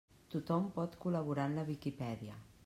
Tothom pot col·laborar en la Viquipèdia.